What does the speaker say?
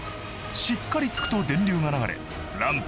しっかり突くと電流が流れランプが点灯。